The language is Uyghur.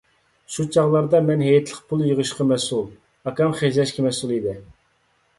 شۇ چاغلاردا، مەن ھېيتلىق پۇل يىغىشقا مەسئۇل ، ئاكام خەجلەشكە مەسئۇل ئىدى.